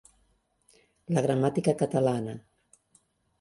La gramàtica catalana.